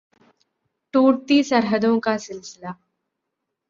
टूटती सरहदों का सिलसिला